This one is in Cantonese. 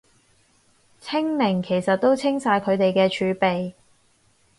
清零其實都清晒佢哋啲儲備